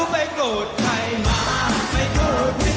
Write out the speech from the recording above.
จัดกระบวนพร้อมกัน